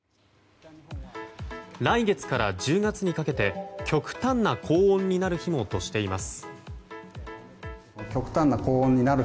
来月から１０月にかけて極端な高温になる日もとしています。